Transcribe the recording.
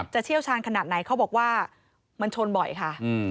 เชี่ยวชาญขนาดไหนเขาบอกว่ามันชนบ่อยค่ะ